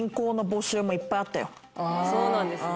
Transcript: そうなんですね。